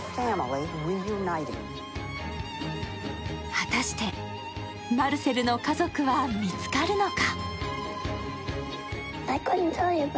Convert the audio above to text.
果たしてマルセルの家族は見つかるのか。